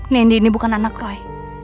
nendy ini bukan anak roy